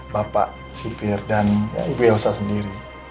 bapak sipir dan ibu elsa sendiri